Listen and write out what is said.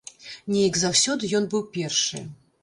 Неяк заўсёды ён быў першы.